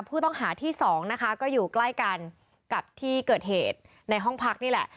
ผู้ต้องหาที่สองนะคะก็อยู่ใกล้กันกับที่เกิดเหตุในห้องพักนี่แหละ